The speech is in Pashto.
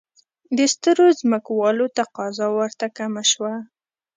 د سترو ځمکوالو تقاضا ورته کمه شوه.